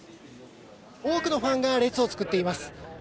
多くのファンが列を作っています。